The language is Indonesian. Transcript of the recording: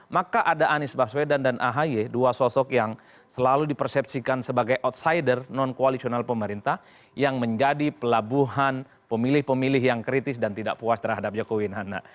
maka ada anies baswedan dan ahy dua sosok yang selalu dipersepsikan sebagai outsider non koalisional pemerintah yang menjadi pelabuhan pemilih pemilih yang kritis dan tidak puas terhadap jokowi nana